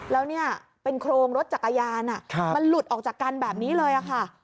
แล้วเนี่ยเป็นโครงรถจักรยานมันหลุดออกจากกันแบบนี้เลยค่ะ